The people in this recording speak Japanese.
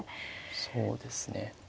そうですね。